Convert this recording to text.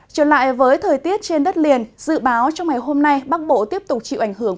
trở lại với thời tiết trên đất liền dự báo trong ngày hôm nay bắc bộ tiếp tục chịu ảnh hưởng